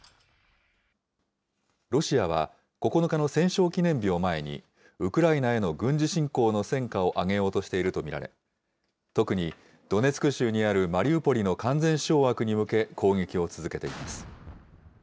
ロシアは、９日の戦勝記念日を前に、ウクライナへの軍事侵攻の戦果を上げようとしていると見られ、特にドネツク州にあるマリウポリの完全掌握に向け、攻撃を続けています。